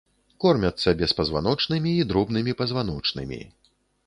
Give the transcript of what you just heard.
Кормяцца беспазваночнымі і дробнымі пазваночнымі.